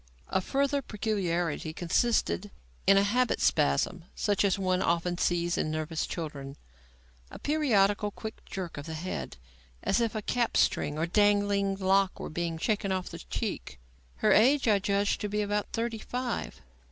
A further peculiarity consisted in a "habit spasm," such as one often sees in nervous children; a periodical quick jerk of the head, as if a cap string or dangling lock were being shaken off the cheek. Her age I judged to be about thirty five.